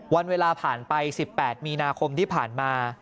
วันเวลาผ่านไป๑๘มีนาคมที่ผ่านมา